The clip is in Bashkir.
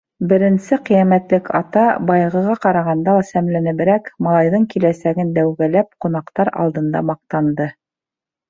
Беренсе ҡиәмәтлек ата, баяғыға ҡарағанда ла сәмләнеберәк, малайҙың киләсәген дәүгәләп, ҡунаҡтар алдында маҡтанды: